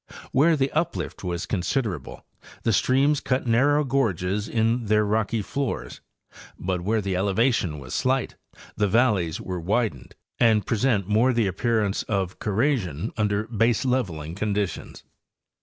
Where the uplift was considerable the streams cut narrow gorges in their rocky floors, but' where the elevation was slight the valleys were widened and present more the ap pearance of corrasion under baseleveling conditions.